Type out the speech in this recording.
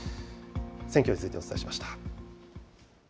選挙についてお伝えしました。